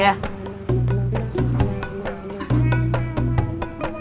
masak shane bisa mengeluarkan menopang apa kurangnya